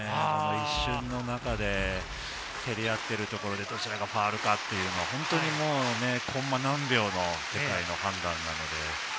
一瞬の中で競り合っているところで、どちらがファウルかというのは本当にコンマ何秒の世界の判断なので。